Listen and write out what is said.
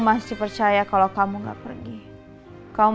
mama akan ada